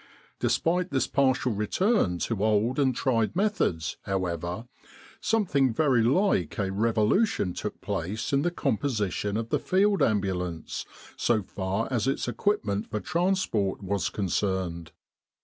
Despite this partial return to old and tried methods, however, something very like a revolution took place in the composition of the Field Ambulance, so far as its equipment for transport was concerned.